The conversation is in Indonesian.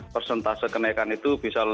persentase kenaikan itu bisa